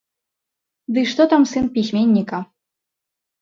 Ды што там сын пісьменніка.